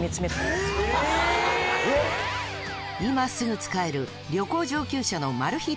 今すぐ使える旅行上級者のマル秘